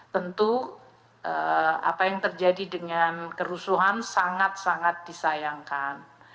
tentu apa yang terjadi dengan kerusuhan sangat sangat disayangkan